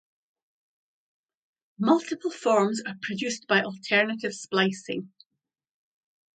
Multiple forms are produced by alternative splicing.